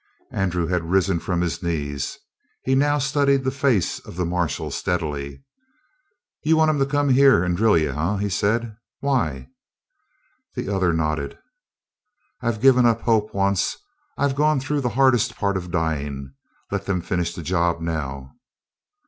Andrew had risen up from his knees. He now studied the face of the marshal steadily. "You want 'em to come in here and drill you, eh?" he said. "Why?" The other nodded. "I've given up hope once; I've gone through the hardest part of dying; let them finish the job now."